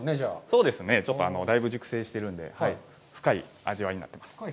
そうですね、ちょっとだいぶ熟成しているので、深い味わいになっています。